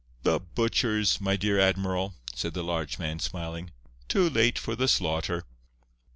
"The butchers, my dear admiral," said the large man, smiling, "too late for the slaughter."